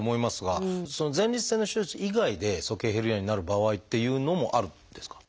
前立腺の手術以外で鼠径ヘルニアになる場合っていうのもあるんですか？